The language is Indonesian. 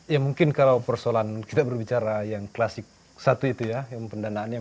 ya mungkin kalau persoalan kita berbicara yang klasik satu itu ya yang pendanaannya